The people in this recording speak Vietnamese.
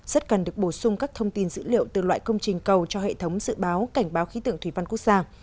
rất cần được bổ sung các thông tin dữ liệu từ loại công trình cầu cho hệ thống dự báo cảnh báo khí tượng thủy văn quốc gia